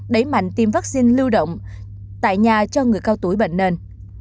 đẩy mạnh tiêm vaccine lưu động tại nhà cho người cao tuổi bệnh nền